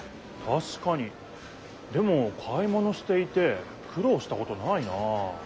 でも買い物していてくろうしたことないなあ。